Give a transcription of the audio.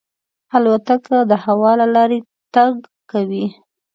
الوتکه د هوا له لارې تګ کوي.